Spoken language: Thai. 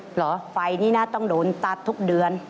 เหรอไฟนี้นะต้องโดนตัดทุกเดือน